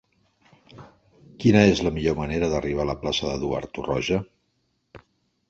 Quina és la millor manera d'arribar a la plaça d'Eduard Torroja?